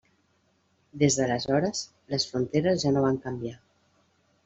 Des d'aleshores, les fronteres ja no van canviar.